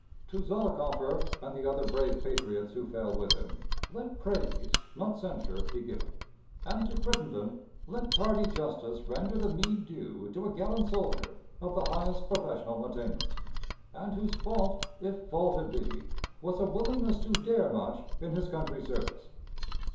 To Zollicoffer and the other brave patriots who fell with him, let praise, not censure, be given; and to Crittenden, let tardy justice render the meed due to a gallant soldier of the highest professional attainments, and whose fault, if fault it be, was a willingness to dare much in his country's service.